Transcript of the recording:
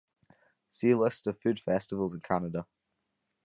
See List of food festivals in Canada.